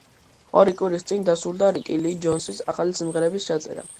ორი კვირის წინ დასრულდა რიკი ლი ჯონსის ახალი სიმღერების ჩაწერა.